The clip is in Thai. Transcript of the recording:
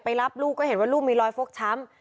รับลูกก็เห็นว่าลูกมีรอยฟกช้ำ